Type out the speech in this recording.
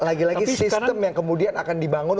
lagi lagi sistem yang kemudian akan dibangun